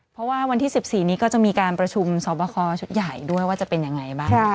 เพราะว่าวันที่๑๔นี้ก็จะมีการประชุมสอบคอชุดใหญ่ด้วยว่าจะเป็นยังไงบ้าง